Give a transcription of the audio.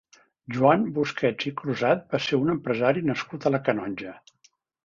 Joan Busquets i Crusat va ser un empresari nascut a la Canonja.